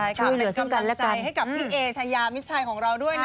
ใช่ค่ะเป็นกำลังใจให้กับพี่เอชายามิดชัยของเราด้วยนะ